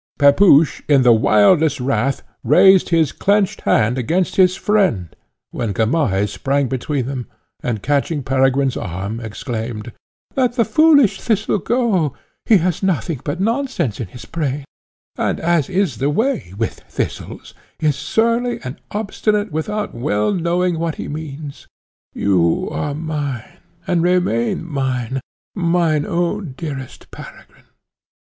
Pepusch, in the wildest wrath, raised his clenched hand against his friend, when Gamaheh sprang between them, and, catching Peregrine's arm, exclaimed, "Let the foolish Thistle go; he has nothing but nonsense in his brain, and, as is the way with thistles, is surly and obstinate without well knowing what he means. You are mine, and remain mine, mine own dearest Peregrine."